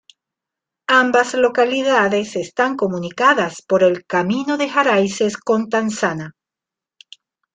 Ambas localidades están comunicadas por el camino de Jaraices-Constanzana.